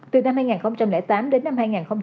từ năm hai nghìn tám đến năm hai nghìn một mươi ba